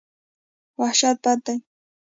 وحشت بد دی.